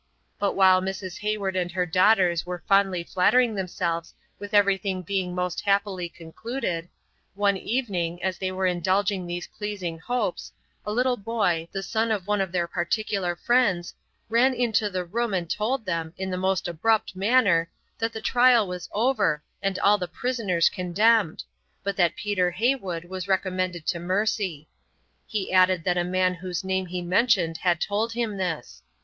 But while Mrs. Heywood and her daughters were fondly flattering themselves with everything being most happily concluded, one evening, as they were indulging these pleasing hopes, a little boy, the son of one of their particular friends, ran into the room and told them, in the most abrupt manner, that the trial was over and all the prisoners condemned, but that Peter Heywood was recommended to mercy; he added that a man whose name he mentioned had told him this.